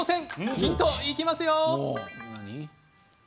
ヒント、いきますよ。